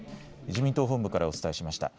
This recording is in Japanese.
自民党本部からお伝えしました。